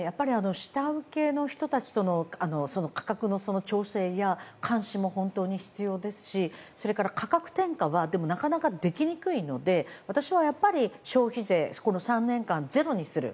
下請けの人たちとの、価格の調整や監視も必要ですしそれから価格転嫁はなかなかできにくいので私はやっぱり消費税３年間ゼロにする。